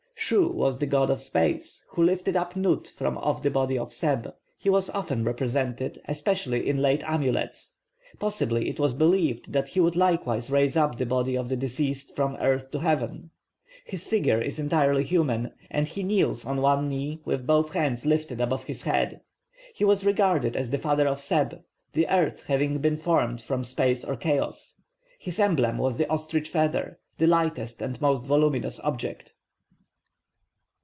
+Shu+ was the god of space, who lifted up Nut from off the body of Seb. He was often represented, especially in late amulets; possibly it was believed that he would likewise raise up the body of the deceased from earth to heaven. His figure is entirely human, and he kneels on one knee with both hands lifted above his head. He was regarded as the father of Seb, the earth having been formed from space or chaos. His emblem was the ostrich feather, the lightest and most voluminous object.